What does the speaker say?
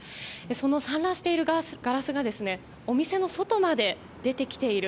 その散乱しているガラスがお店の外まで出てきている。